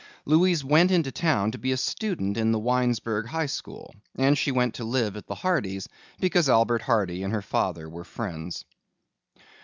Louise went into town to be a student in the Winesburg High School and she went to live at the Hardys' because Albert Hardy and her father were friends.